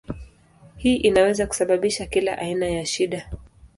Hii inaweza kusababisha kila aina ya shida.